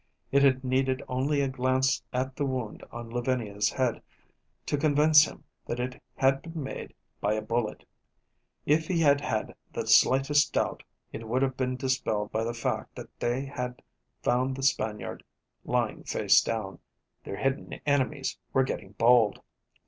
It had needed only a glance at the wound on Lavinia's head to convince him that it had been made by a bullet. If he had had the slightest doubt, it would have been dispelled by the fact that they had found the Spaniard lying face down. Their hidden enemies were getting bold.